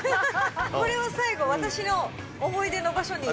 これを最後、私の思い出の場所に。